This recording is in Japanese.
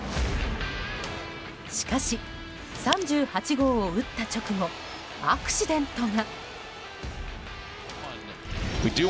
しかし、３８号を打った直後アクシデントが。